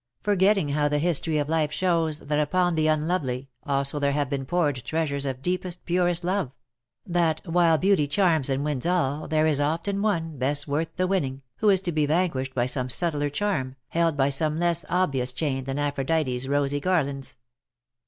— forgetting how tlie history of life shows that upon the unlovely also there have been poured treasures of deepest^ purest love — that, while beauty charms and wins all, there is often one, best worth the winning, w^ho is to be vanquished by some subtler charm, held by some less obvious chain than Aphrodite''s rosy garlands.